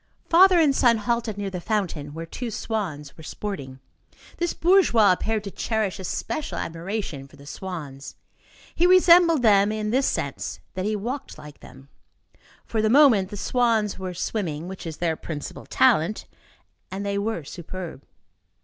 Father and son halted near the fountain where two swans were sporting. This bourgeois appeared to cherish a special admiration for the swans. He resembled them in this sense, that he walked like them. For the moment, the swans were swimming, which is their principal talent, and they were superb.